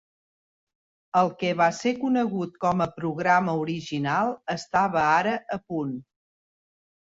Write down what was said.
El que va ser conegut com a "programa original" estava ara a punt.